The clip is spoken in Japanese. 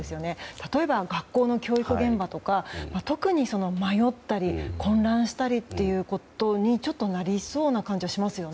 例えば、学校の教育現場とか特に迷ったり混乱したりということになりそうな感じがしますよね。